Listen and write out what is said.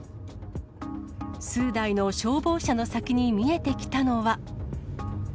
数台の消防車の先に見えてきたのは。